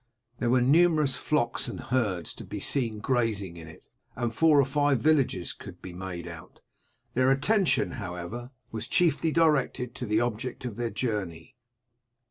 There were numerous flocks and herds to be seen grazing in it, and four or five villages could be made out; their attention, however, was chiefly directed to the object of their journey.